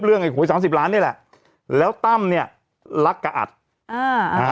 ไอ้หวยสามสิบล้านนี่แหละแล้วตั้มเนี้ยรักกะอัดอ่าอ่า